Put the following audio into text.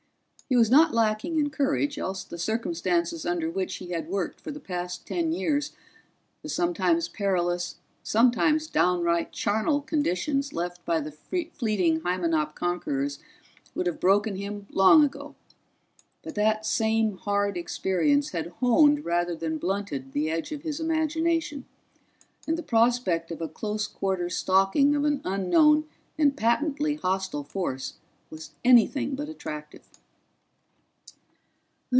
He was not lacking in courage, else the circumstances under which he had worked for the past ten years the sometimes perilous, sometimes downright charnel conditions left by the fleeing Hymenop conquerors would have broken him long ago. But that same hard experience had honed rather than blunted the edge of his imagination, and the prospect of a close quarters stalking of an unknown and patently hostile force was anything but attractive.